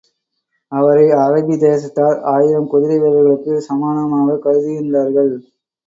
அவரை அரபி தேசத்தார் ஆயிரம் குதிரை வீரர்களுக்கு சமானமாகக் கருதியிருந்தார்கள்.